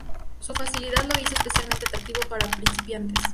Su facilidad lo hizo especialmente atractivo para principiantes.